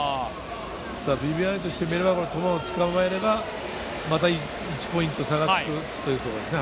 ビビアーニとして見れば、トマをつかまえれば、また１ポイント差がつくというところですね。